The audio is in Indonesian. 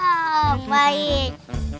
gitu dong baik